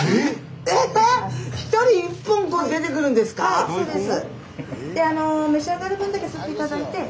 はいそうです。